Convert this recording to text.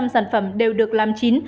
một trăm linh sản phẩm đều được làm chín